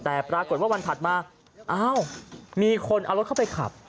แต่ปรากฏว่าวันถัดมาอ้าวมีคนเอารถเข้าไปขับ